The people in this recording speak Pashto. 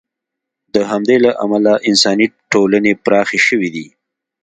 د همدې له امله انساني ټولنې پراخې شوې دي.